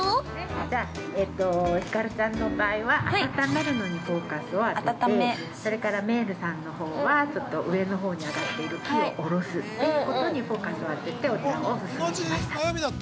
◆じゃあ、ひかるちゃんの場合は温めるのにフォーカスを当てて、それからめるるさんのほうはちょっと上のほうに上がっている気をおろすということにフォーカスを当てて、お茶をお勧めしました。